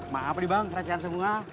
maaf nih bang recehan semua